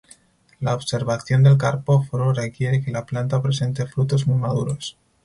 La observación del carpóforo requiere que la planta presente frutos muy maduros.